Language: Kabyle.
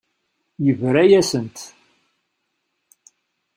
Yebra-yasent.